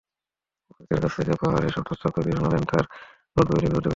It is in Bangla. পুরোহিতের কাছ থেকে পাওয়া এসব তথ্য কবি সোলন তাঁর নোটবইয়ে লিপিবদ্ধ করেছিলেন।